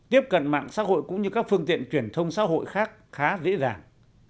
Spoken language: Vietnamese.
tiếp cận mạng xã hội cũng như các phương tiện truyền thông xã hội khác khá dễ dàng